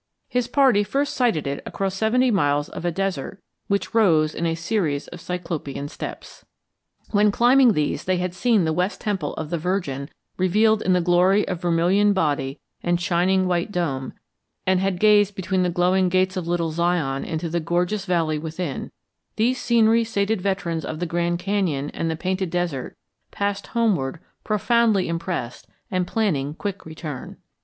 His party first sighted it across seventy miles of a desert which "rose in a series of Cyclopean steps." When, climbing these, they had seen the West Temple of the Virgin revealed in the glory of vermilion body and shining white dome, and had gazed between the glowing Gates of Little Zion into the gorgeous valley within, these scenery sated veterans of the Grand Canyon and the Painted Desert passed homeward profoundly impressed and planning quick return.